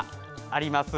あります。